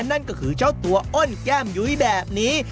นั่นก็คือเจ้าตัวอ้นแก้มยุ้ยแบบนี้